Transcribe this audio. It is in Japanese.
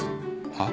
はっ？